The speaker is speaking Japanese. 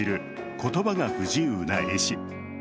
言葉が不自由な絵師。